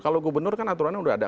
kalau gubernur kan aturannya sudah ada